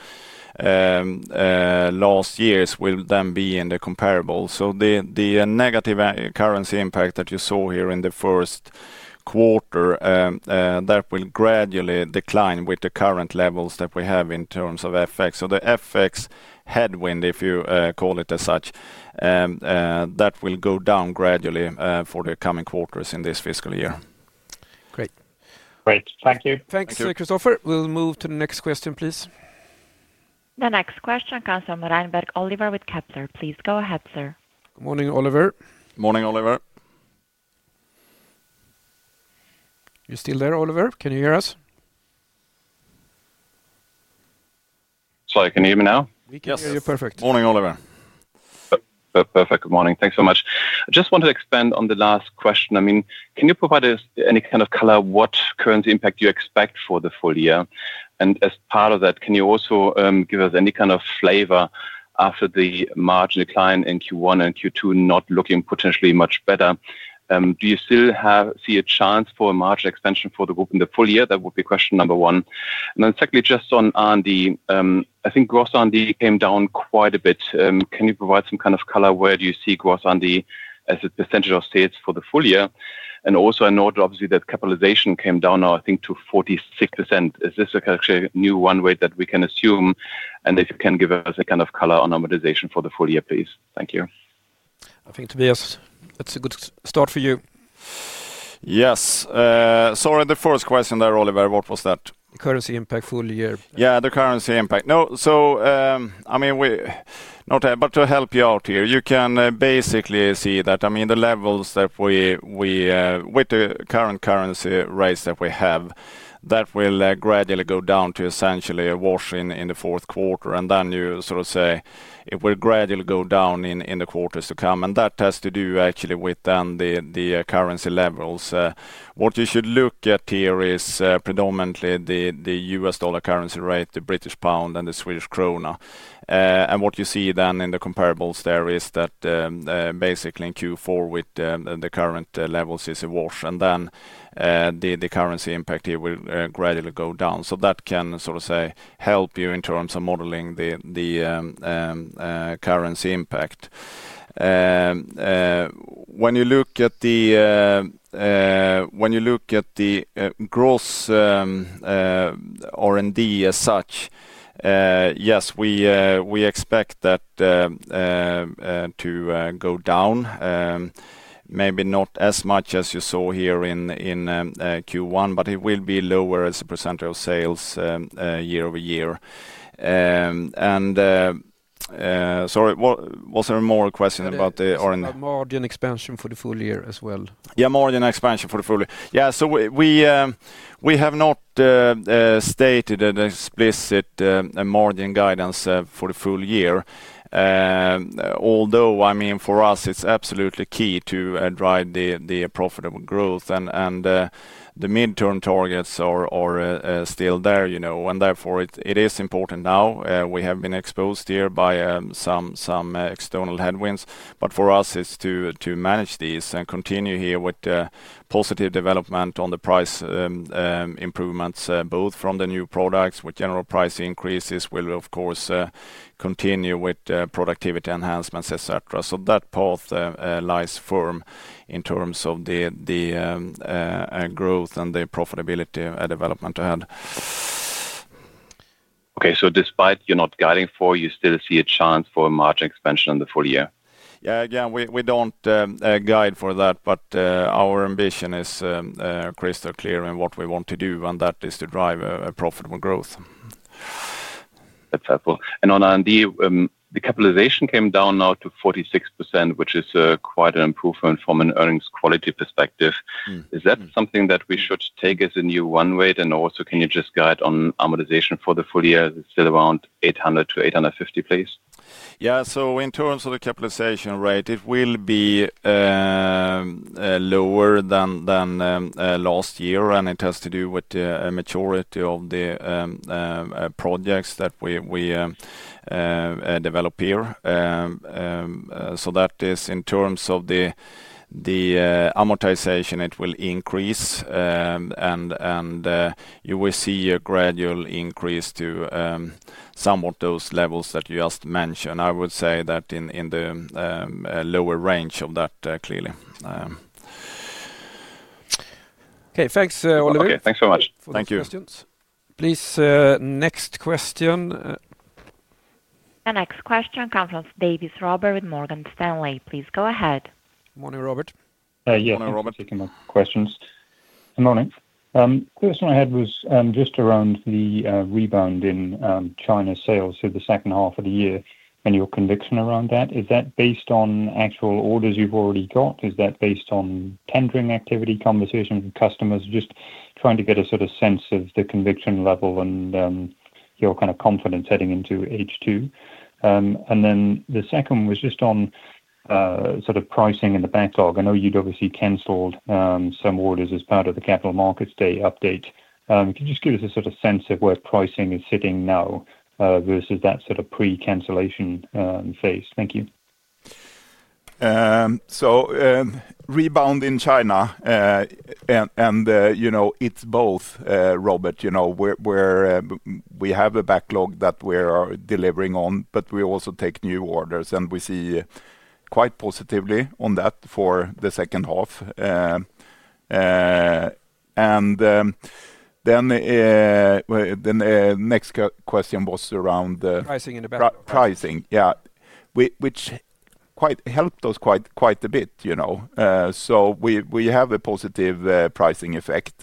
[SPEAKER 2] last year will then be in the comparable. The negative currency impact that you saw here in the first quarter, that will gradually decline with the current levels that we have in terms of FX. The FX headwind, if you call it as such, that will go down gradually for the coming quarters in this fiscal year.
[SPEAKER 1] Great.
[SPEAKER 7] Great, thank you.
[SPEAKER 1] Thanks, Kristofer. We'll move to the next question, please.
[SPEAKER 4] The next question comes from Reinberg Oliver with Kepler. Please go ahead, sir.
[SPEAKER 1] Good morning, Oliver.
[SPEAKER 3] Morning, Oliver.
[SPEAKER 1] You're still there, Oliver? Can you hear us?
[SPEAKER 8] Sorry, can you hear me now?
[SPEAKER 1] We can hear you perfectly.
[SPEAKER 3] Yes. Morning, Oliver.
[SPEAKER 8] Perfect, good morning. Thanks so much. I just wanted to expand on the last question. Can you provide us any kind of color what currency impact you expect for the full year? As part of that, can you also give us any kind of flavor after the margin decline in Q1 and Q2 not looking potentially much better? Do you still see a chance for a margin expansion for the group in the full year? That would be question number one. Secondly, I think gross R&D came down quite a bit. Can you provide some kind of color, where do you see gross R&D as a percentage of sales for the full year? Also, I noted obviously that capitalization came down now I think to 46%. Is this a new one way that we can assume? If you can give us a color on amortization for the full year, please. Thank you.
[SPEAKER 1] I think, Tobias that's a good start for you.
[SPEAKER 3] Yes. Sorry, the first question there, Oliver, what was that?
[SPEAKER 1] Currency impact full year.
[SPEAKER 3] Yeah, the currency impact. No, to help you out here, you can basically see that with the current currency rates that we have, that will gradually go down to essentially a wash in the fourth quarter. You sort of say it will gradually go down in the quarters to come. That has to do actually with then the currency levels. What you should look at here is predominantly the U..S dollar currency rate, the British pound, and the Swedish krona. What you see then in the comparables there is that basically in Q4, with the current levels is a wash. The currency impact here will gradually go down. That can help you in terms of modeling the currency impact. When you look at the gross R&D as such, yes, we expect that to go down. Maybe not as much as you saw here in Q1, but it will be lower as a percent of sales year-over-year. Sorry, was there more questions about the R&D?
[SPEAKER 1] Margin expansion for the full year as well.
[SPEAKER 3] Yeah, margin expansion for the full year. We have not stated an explicit margin guidance for the full year, although for us it's absolutely key to drive the profitable growth. The midterm targets are still there, and therefore it is important now. We have been exposed here by some external headwinds, but for us it's to manage these and continue here with the positive development on the price improvements, both from the new products with general price increases. We'll of course continue with productivity enhancements, etc. That path lies firm in terms of the growth and the profitability development ahead.
[SPEAKER 8] Okay. Despite you're not guiding for, you still see a chance for a margin expansion in the full year?
[SPEAKER 3] Yeah. Again, we don't guide for that, but our ambition is crystal clear in what we want to do, and that is to drive profitable growth.
[SPEAKER 8] That's helpful. On R&D, the capitalization came down now to 46%, which is quite an improvement from an earnings quality perspective. Is that something that we should take as a new run rate, and also, can you just guide on amortization for the full year? Is it still around 800 million-850 million, please?
[SPEAKER 3] Yeah. In terms of the capitalization rate, it will be lower than last year, and it has to do with the maturity of the projects that we develop here. That is in terms of the amortization, it will increase and you will see a gradual increase to somewhat those levels that you just mentioned. I would say that in the lower range of that clearly.
[SPEAKER 1] Okay, thanks, Oliver for the questions.
[SPEAKER 8] Okay, thanks so much.
[SPEAKER 3] Thank you.
[SPEAKER 1] Please, next question.
[SPEAKER 4] The next question comes from Davies Robert with Morgan Stanley. Please go ahead.
[SPEAKER 1] Morning, Robert.
[SPEAKER 3] Morning, Robert.
[SPEAKER 9] Thank you for taking my questions. Good morning. The question I had was just around the rebound in China sales in the second half of the year and your conviction around that. Is that based on actual orders you've already got? Is that based on tendering activity, conversation with customers? Just trying to get a sense of the conviction level and your confidence heading into H2. The second was just on sort of pricing and the backlog. I know you'd obviously canceled some orders as part of the capital markets day update. Can you just give us a sense of where pricing is sitting now versus that sort of pre-cancellation phase? Thank you.
[SPEAKER 2] Rebound in China, and it's both, Robert. We have a backlog that we are delivering on, but we also take new orders and we see quite positively on that for the second half. The next question was around?
[SPEAKER 1] Pricing and the backlog.
[SPEAKER 2] Pricing, yeah, which helped us quite a bit. We have a positive pricing effect,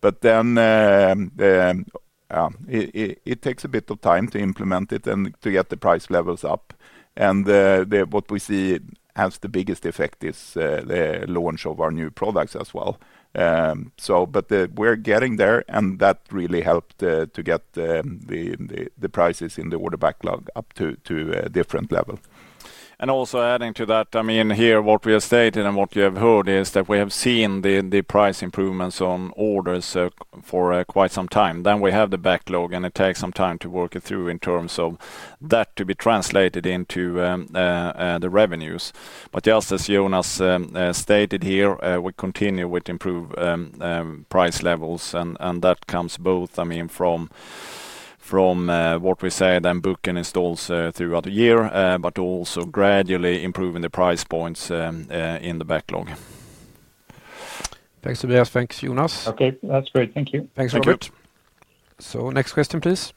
[SPEAKER 2] but then it takes a bit of time to implement it and to get the price levels up. What we see has the biggest effect is the launch of our new products as well. We're getting there, and that really helped to get the in the order backlog up to a different level.
[SPEAKER 3] Also adding to that, here what we have stated and what you have heard is that we have seen the price improvements on orders for quite some time. We have the backlog, and it takes some time to work it through in terms of that being translated into the revenues. Just as Jonas stated here, we continue with improved price levels and that comes both from what we said and booking installs throughout the year, but also gradually improving the price points in the backlog.
[SPEAKER 1] Thanks, Tobias. Thanks, Jonas.
[SPEAKER 9] Okay, that's great. Thank you.
[SPEAKER 1] Thanks, Robert. Next question, please.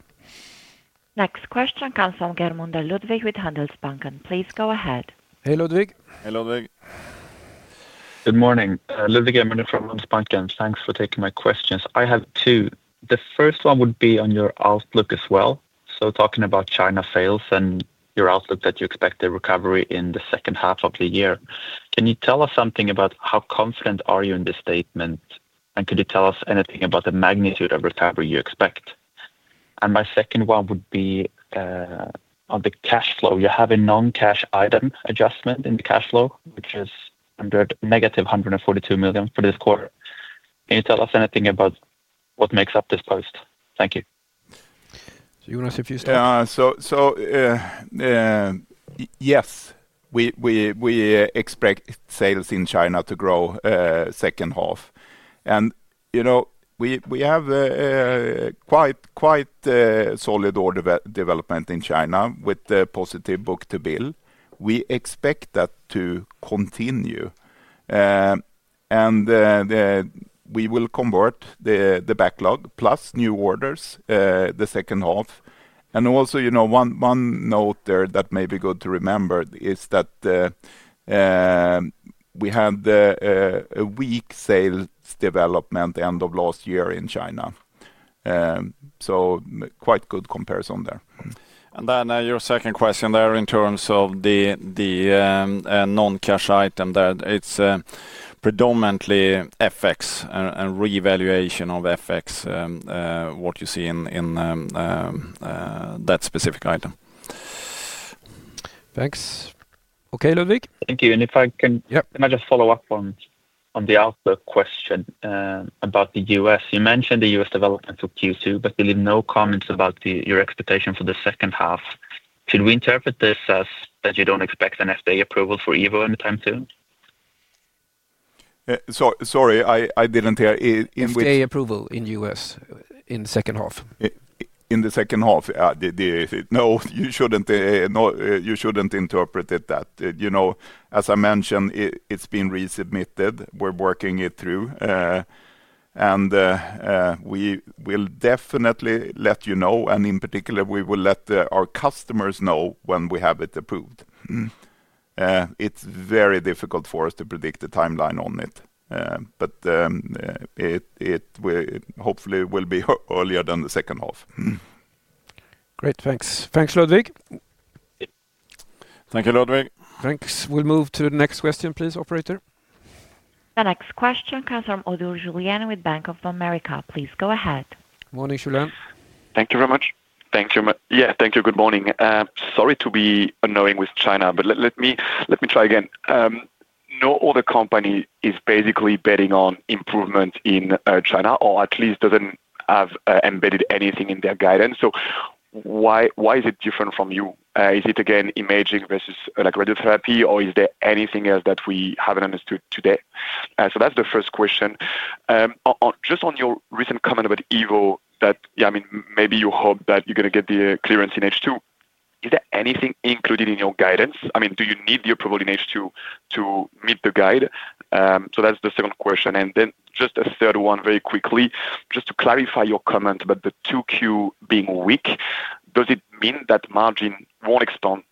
[SPEAKER 4] Next question comes from Germunder Ludwig with Handelsbanken. Please go ahead.
[SPEAKER 1] Hey, Ludwig.
[SPEAKER 3] Hey, Ludwig.
[SPEAKER 10] Good morning. Ludwig Germunder from Handelsbanken. Thanks for taking my questions. I have two. The first one would be on your outlook as well. Talking about China sales and your outlook that you expect a recovery in the second half of the year. Can you tell us something about, how confident are you in this statement and could you tell us anything about the magnitude of recovery you expect? My second one would be on the cash flow. You have a non-cash item adjustment in the cash flow, which is under -142 million negative for this quarter. Can you tell us anything about what makes up this post? Thank you.
[SPEAKER 1] Jonas, if you start.
[SPEAKER 2] Yes, we expect sales in China to grow the second half. We have a quite solid order development in China with a positive book-to-bill. We expect that to continue. We will convert the backlog plus new orders the second half. Also, one note there that may be good to remember is that we had a weak sales development end of last year in China, so quite good comparison there. Your second question in terms of the non-cash item, that it's predominantly FX and reevaluation of FX, what you see in that specific item.
[SPEAKER 1] Thanks. Okay, Ludwig.
[SPEAKER 10] Thank you. Can I just follow up on the outlook question about the U.S.? You mentioned the U.S. development for Q2, but you leave no comments about your expectation for the second half. Should we interpret this as you don't expect an FDA approval for Evo anytime soon?
[SPEAKER 2] Sorry, I didn't hear.
[SPEAKER 1] FDA in the U.S. in the second half.
[SPEAKER 2] In the second half, no, you shouldn't interpret it that way. As I mentioned, it's been resubmitted. We're working it through. We will definitely let you know, and in particular, we will let our customers know when we have it approved. It's very difficult for us to predict the timeline on it, but it hopefully will be earlier than the second half.
[SPEAKER 1] Great, thanks. Thanks, Ludwig.
[SPEAKER 2] Thank you, Ludwig.
[SPEAKER 1] Thanks. Please move to the next question, operator.
[SPEAKER 4] The next question comes from Ouaddour Julien with Bank of America. Please go ahead.
[SPEAKER 1] Morning, Julien.
[SPEAKER 11] Thank you very much. Thank you. Yeah, thank you. Good morning. Sorry to be annoying with China, but let me try again. No other company is basically betting on improvement in China, or at least doesn't embed anything in their guidance. Why is it different from you? Is it again emerging versus like radiotherapy, or is there anything else that we haven't understood today? That's the first question. Just on your recent comment about Evo, that maybe you hope that you're going to get the clearance in H2. Is there anything included in your guidance? Do you need the approval in H2 to meet the guide? That's the second question. Just a third one very quickly, just to clarify your comment about the 2Q being weak, does it mean that margin won't expand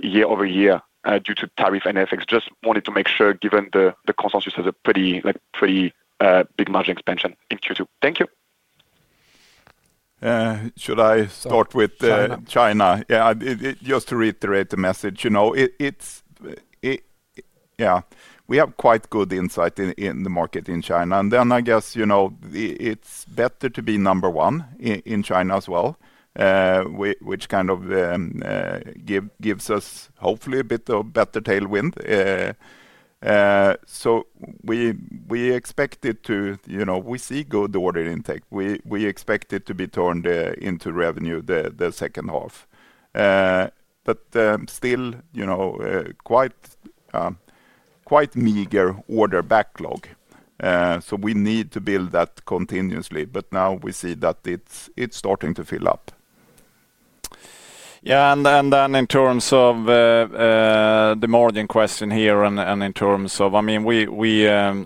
[SPEAKER 11] year-over-year due to tariff and FX? Just wanted to make sure, given the consensus has a pretty big margin expansion in Q2. Thank you.
[SPEAKER 2] Should I start with China?
[SPEAKER 1] China.
[SPEAKER 2] Yeah, just to reiterate the message, we have quite good insight in the market in China. It's better to be number one in China as well, which gives us hopefully a bit of better tailwind. We see good order intake. We expect it to be turned into revenue the second half. Still, quite meager order backlog. We need to build that continuously, but now we see that it's starting to fill up.
[SPEAKER 3] Yeah, and then in terms of the margin question here and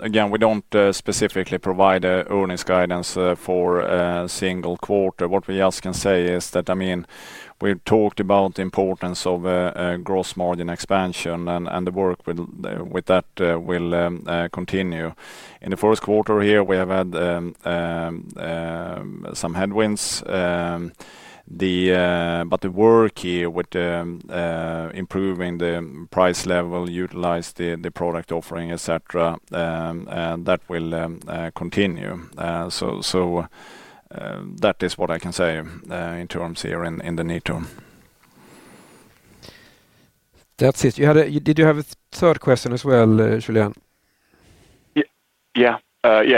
[SPEAKER 3] again, we don't specifically provide earnings guidance for a single quarter. What we just can say is that we've talked about the importance of gross margin expansion, and the work with that will continue. In the first quarter here, we have had some headwinds, but the work here with improving the price level, utilize the product offering, etc., that will continue. That is what I can say here in the near term.
[SPEAKER 1] That's it. Did you have a third question as well, Julien?
[SPEAKER 11] Yeah,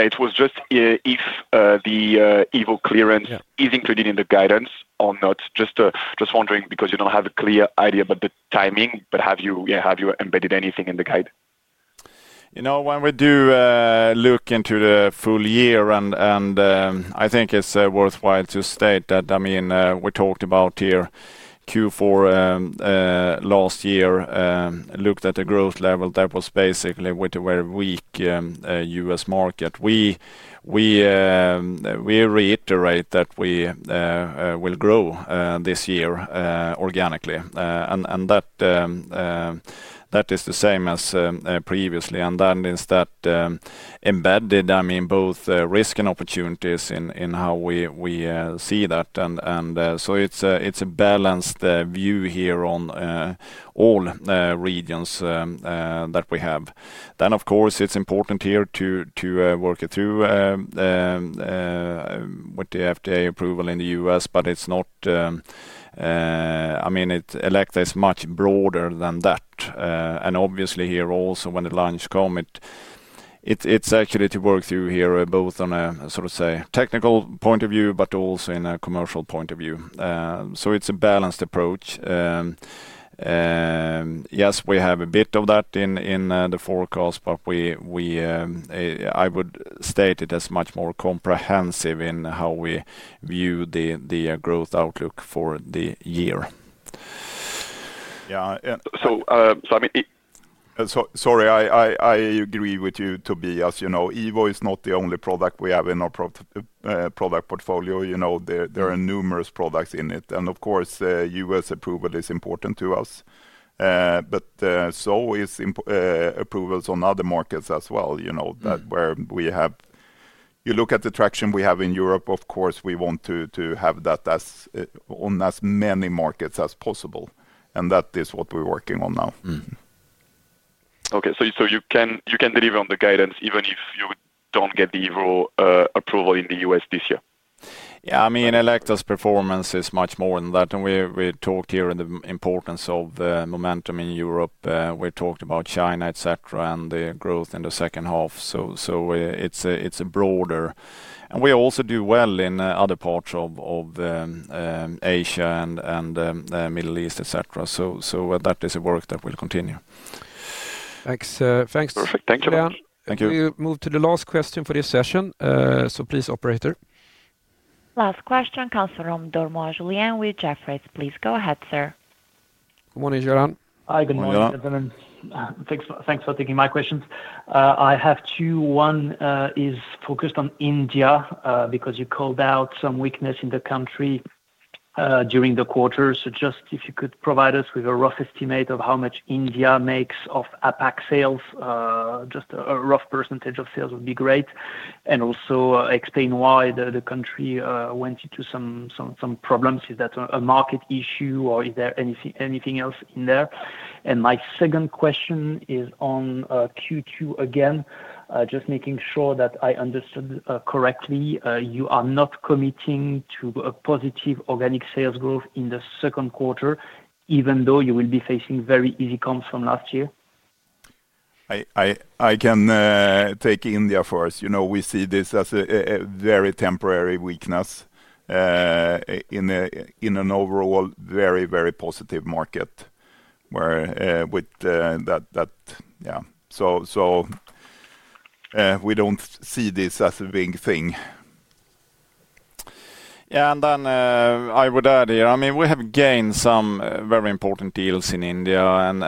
[SPEAKER 11] it was just if the Evo clearance is included in the guidance or not. Just wondering, because you don't have a clear idea about the timing, but have you embedded anything in the guidance?
[SPEAKER 3] When we do look into the full year, I think it's worthwhile to state that, we talked about here Q4 last year, looked at the growth level that was basically with a very weak U.S. market, we reiterate that we will grow this year organically and that is the same as previously. That means that has embedded both risk and opportunities in how we see that. It's a balanced view here on all regions that we have. Of course, it's important here to work it through with the FDA approval in the U.S., but Elekta is much broader than that. Obviously, here also, when the, it's actually to work through here both on a technical point of view, but also in a commercial point of view. It's a balanced approach. Yes, we have a bit of that in the forecast, but I would state it as much more comprehensive in how we view the growth outlook for the year.
[SPEAKER 2] Yeah. Sorry, I agree with you, Tobias. Evo is not the only product we have in our product portfolio. There are numerous products in it. Of course, U.S. approval is important to us, but so is approvals on other markets as well. You look at the traction we have in Europe. Of course, we want to have that on as many markets as possible, and that is what we're working on now.
[SPEAKER 11] Okay, so you can deliver on the guidance even if you don't get the Evo approval in the U.S. this year?
[SPEAKER 3] Yeah, Elekta's performance is much more than that. We talked here in the importance of the momentum in Europe. We talked about China, etc., and the growth in the second half. It's broader, and we also do well in other parts of Asia and the Middle East, etc. That is work that will continue.
[SPEAKER 1] Thanks, Julien.
[SPEAKER 11] Thank you.
[SPEAKER 1] We move to the last question for this session. Please, operator.
[SPEAKER 4] Last question comes from Dormois Julien with Jefferies. Please go ahead, sir.
[SPEAKER 1] Morning, Julien.
[SPEAKER 3] Morning, Julien.
[SPEAKER 12] Hi, good morning, everyone. Thanks for taking my questions. I have two. One is focused on India because you called out some weakness in the country during the quarter. If you could provide us with a rough estimate of how much India makes of APAC sales, just a rough percentage of sales would be great. Also, explain why the country went into some problems. Is that a market issue or is there anything else in there? My second question is on Q2 again, just making sure that I understood correctly. You are not committing to a positive organic sales growth in the second quarter, even though you will be facing very easy comps from last year? I can take India for us. We see this as a very temporary weakness in an overall very, very positive market. We don't see this as a big thing.
[SPEAKER 3] I would add here, we have gained some very important deals in India and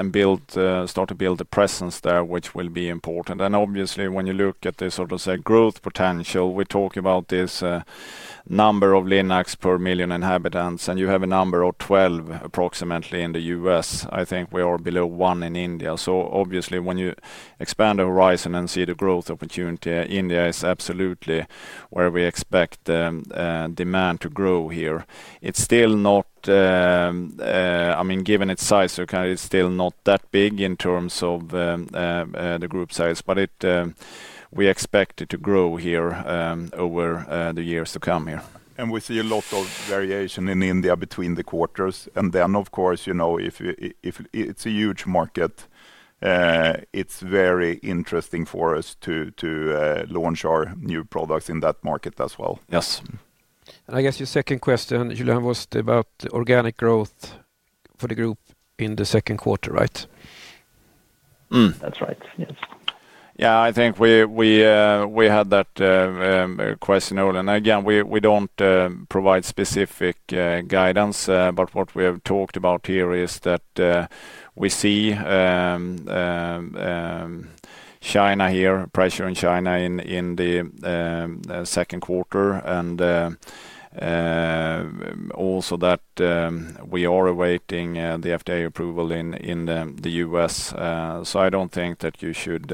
[SPEAKER 3] started to build a presence there, which will be important. Obviously, when you look at the growth potential, we talk about this number of linacs per million inhabitants, and you have a number of 12 approximately in the U.S. I think we are below one in India. Obviously, when you expand the horizon and see the growth opportunity, India is absolutely where we expect demand to grow here. Given its size, it's still not that big in terms of the group size, but we expect it to grow over the years to come here.
[SPEAKER 2] We see a lot of variation in India between the quarters. Of course, it's a huge market, it's very interesting for us to launch our new products in that market as well.
[SPEAKER 3] Yes.
[SPEAKER 1] I guess your second question, Julien, was about organic growth for the group in the second quarter, right?
[SPEAKER 12] That's right, yes.
[SPEAKER 2] Yeah. I think we had that question earlier. Again, we don't provide specific guidance, but what we have talked about here is that we see pressure in China in the second quarter, and also that we are awaiting the FDA approval in the U.S. I don't think that you should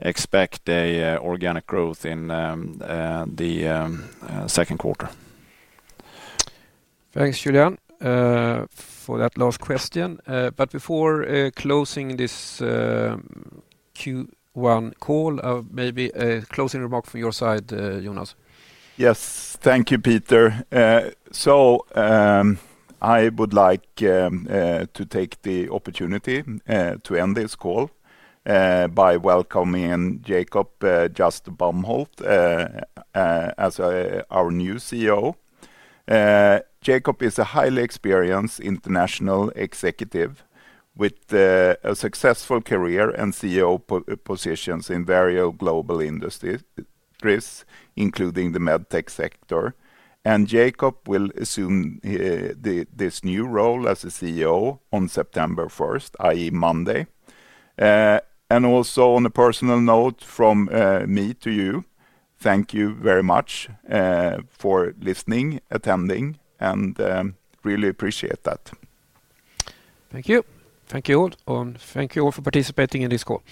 [SPEAKER 2] expect organic growth in the second quarter.
[SPEAKER 1] Thanks, Julien, for that last question. Before closing this Q1 call, maybe a closing remark from your side, Jonas.
[SPEAKER 2] Yes, thank you, Peter. I would like to take the opportunity to end this call by welcoming Jakob Just- Bomholt as our new CEO. Jacob is a highly experienced international executive, with a successful career and CEO positions in various global industries, including the medtech sector. Jakob will assume this new role as the CEO on September 1st, i.e. Monday. On a personal note from me to you, thank you very much for listening, attending, and really appreciate that.
[SPEAKER 1] Thank you. Thank you all. Thank you all for participating in this call.